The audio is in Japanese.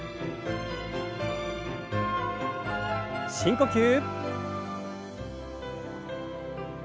深呼吸。